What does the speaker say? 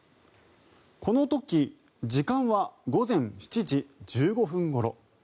この時時間は午前７時１５分ごろ。